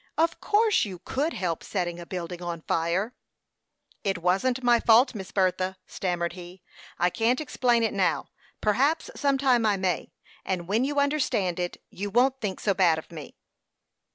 Of course you could help setting a building on fire." "It wasn't my fault, Miss Bertha," stammered he; "I can't explain it now perhaps some time I may; and when you understand it, you won't think so bad of me."